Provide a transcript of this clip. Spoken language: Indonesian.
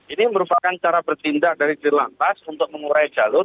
ini merupakan cara bertindak dari jelantas untuk mengurai jalur